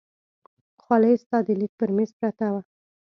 خولۍ ستا د لیک پر مېز پرته وه.